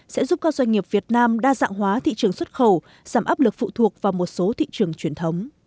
sẽ giúp các doanh nghiệp việt nam đa dạng hóa thị trường xuất khẩu giảm áp lực phụ thuộc vào một số thị trường truyền thống